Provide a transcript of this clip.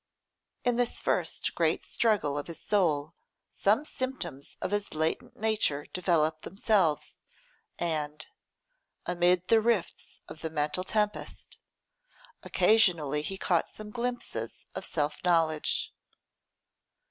In this first great struggle of his soul some symptoms of his latent nature developed themselves, and, amid the rifts of the mental tempest, occasionally he caught some glimpses of self knowledge.